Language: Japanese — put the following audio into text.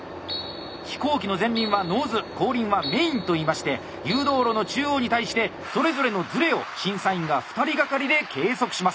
飛行機の前輪はノーズ後輪はメインといいまして誘導路の中央に対してそれぞれのズレを審査員が２人がかりで計測します。